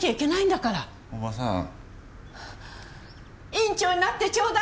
院長になってちょうだい！